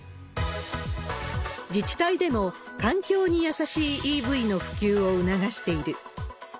自治体でも環境に優しいＥＶの普及を促している。